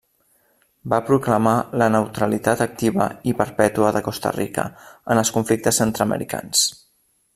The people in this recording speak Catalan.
Va proclamar la neutralitat activa i perpètua de Costa Rica en els conflictes centreamericans.